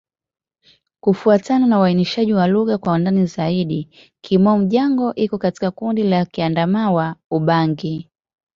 Kufuatana na uainishaji wa lugha kwa ndani zaidi, Kimom-Jango iko katika kundi la Kiadamawa-Ubangi.